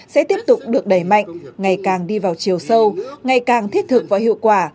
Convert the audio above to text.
sẽ tiếp tục được đẩy mạnh ngày càng đi vào chiều sâu ngày càng thiết thực và hiệu quả